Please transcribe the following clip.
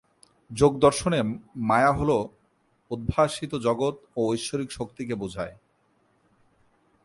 যোগ দর্শনে মায়া হল উদ্ভাসিত জগৎ ও ঐশ্বরিক শক্তিকে বোঝায়।